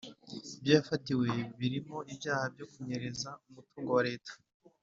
Ibyo yafatiwe birimo ibyaha byo kunyereza umutungo wa Leta.